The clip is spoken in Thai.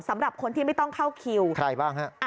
สำหรับคนที่ไม่ต้องเข้าคิวใครบ้างฮะ